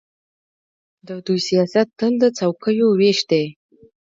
د دوی سیاست تل د څوکۍو وېش دی.